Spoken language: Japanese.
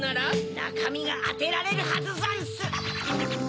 なかみがあてられるはずざんす。